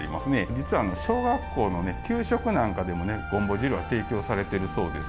実は小学校のね給食なんかでもねごんぼ汁は提供されてるそうです。